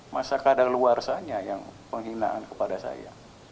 masa kadang luar sana yang penghinaan kepada saya